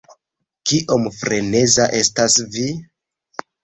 Kiom "freneza" estas vi?